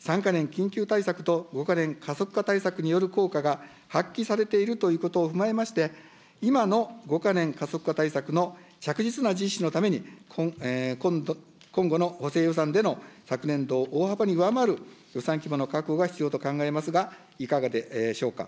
３か年緊急対策と５か年加速化対策による効果が発揮されているということを踏まえまして、今の５か年加速化対策と着実な実施のために、今後の補正予算での、昨年度を大幅に上回る予算規模の確保が必要と考えますが、いかがでしょうか。